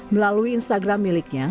melalui instagram miliknya